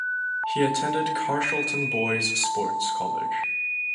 He attended Carshalton Boys Sports College.